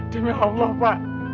dini allah pak